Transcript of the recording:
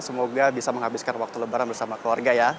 semoga bisa menghabiskan waktu lebaran bersama keluarga ya